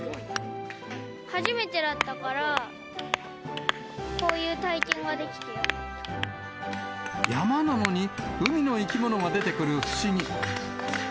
初めてだったから、こういう山なのに海の生き物が出てくる不思議。